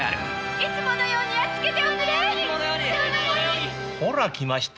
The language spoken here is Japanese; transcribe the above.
いつものようにやっつけて！